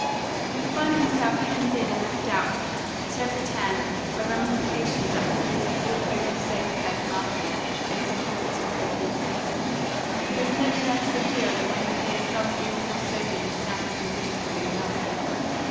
He finds himself hemmed in and left out at every turn by ramifications that forbid him all hope of safe personality in his comments on people; he is never less secure than when he hears some given Bostonian denouncing or ridiculing another.